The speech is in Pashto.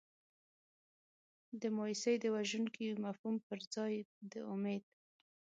د مایوسۍ د وژونکي مفهوم پر ځای د امید.